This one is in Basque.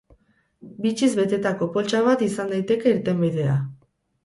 Bitxiz betetako poltsa bat izan daiteke irtenbidea.